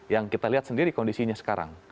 yang kita lihat sendiri kondisinya sekarang